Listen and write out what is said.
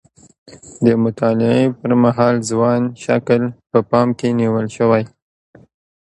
د مطالعې پر مهال ځوان شکل په پام کې نیول شوی.